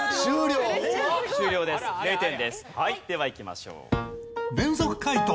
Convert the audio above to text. はいではいきましょう。